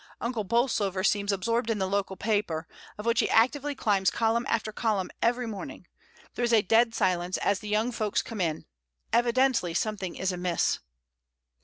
Uncle Bolsover seems absorbed in the local paper, of which' he actively climbs column after column every morning; there is a dead silence as the young folks come in; evidently something is amiss.